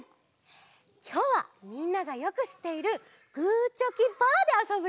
きょうはみんながよくしっているグーチョキパーであそぶよ。